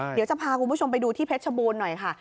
เดี๋ยวจะพาคุณผู้ชมไปดูที่เพชรชบูรณ์หน่อยค่ะ